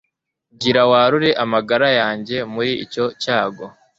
gira warure amagara yanjye muri icyo cyago